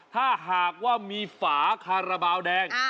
ถ้าหากว่ามีฝาคาราบาลแดง